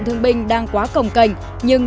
thương binh đang quá cồng cành nhưng